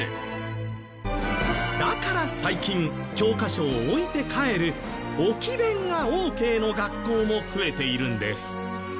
だから最近教科書を置いて帰る「置き勉」がオーケーの学校も増えているんです。